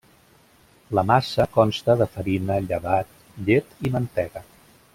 La massa consta de farina, llevat, llet i mantega.